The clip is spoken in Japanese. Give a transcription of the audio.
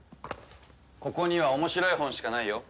ここには面白い本しかないよ。